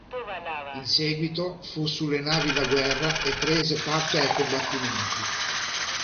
In seguito fu sulle navi da guerra e prese parte ai combattimenti.